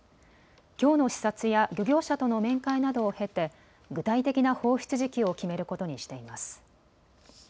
きょうの視察や漁業者との面会などを経て具体的な放出時期を決めることにしています。